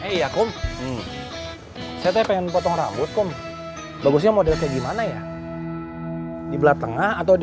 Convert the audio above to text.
iya kum saya pengen potong rambut kum bagusnya model kayak gimana ya di belakang atau di